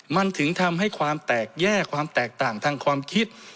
มันถึงทำให้ความแตกแยกความแตกต่างทางความคิด